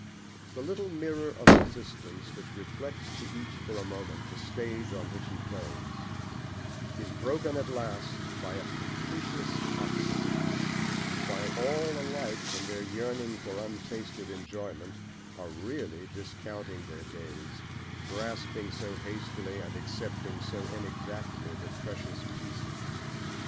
The little mirror of existence, which reflects to each for a moment the stage on which he plays, is broken at last by a capricious accident; while all alike, in their yearning for untasted enjoyment, are really discounting their days, grasping so hastily and accepting so inexactly the precious pieces.